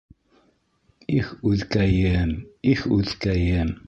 Их, үҙкәйем, их үҙкәйем